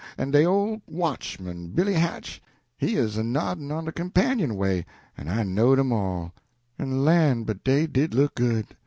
en de ole watchman, Billy Hatch, he 'uz a noddin' on de companionway; en I knowed 'em all; 'en, lan', but dey did look good!